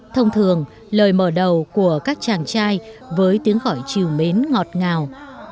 thông thường lời mở đầu của các chàng trai với tiếng gọi chiều mến ngọt ngào